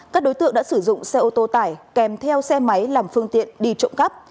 các đối tượng đã sử dụng xe ô tô tải kèm theo xe máy làm phương tiện đi trộm cắp